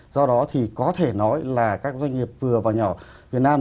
do đó thì có thể nói là các doanh nghiệp vừa và nhỏ việt nam